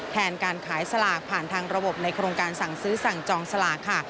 การขายสลากผ่านทางระบบในโครงการสั่งซื้อสั่งจองสลากค่ะ